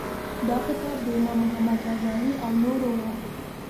دا کتاب د امام محمد غزالي او نورو و.